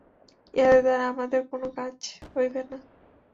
ইঁহাদের দ্বারা আমাদের কোন কাজ হইবে না।